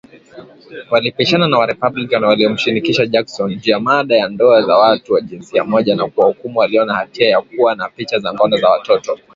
Walipishana na wa-Republican waliomshinikiza Jackson, juu ya mada ya ndoa za watu wa jinsia moja na kuwahukumu walio na hatia ya kuwa na picha za ngono za watoto.